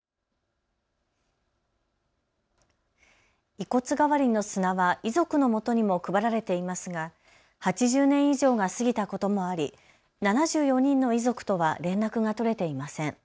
遺骨代わりの砂は遺族のもとにも配られていますが、８０年以上が過ぎたこともあり、７４人の遺族とは連絡が取れていません。